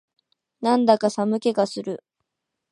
なんだか寒気がする